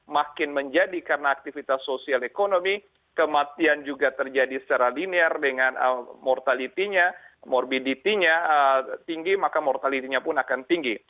makin menjadi karena aktivitas sosial ekonomi kematian juga terjadi secara linear dengan mortality nya morbidity nya tinggi maka mortality nya pun akan tinggi